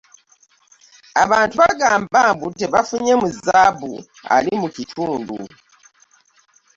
Abantu bagamba mbu tebafunye mu zzaabu ali mu kitundu.